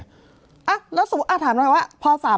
อ่ะแล้วสมมุติถามหน่อยว่าพอ๓๐๐